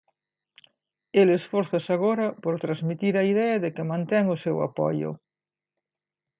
El esfórzase agora por transmitir a idea de que mantén o seu apoio.